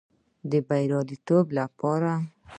د بریالیتوب لپاره